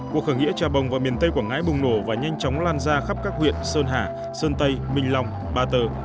cuộc khởi nghĩa trà bồng và miền tây quảng ngãi bùng nổ và nhanh chóng lan ra khắp các huyện sơn hà sơn tây minh long ba tờ